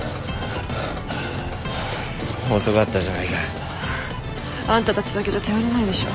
遅かったじゃないか。あんたたちだけじゃ頼りないでしょ。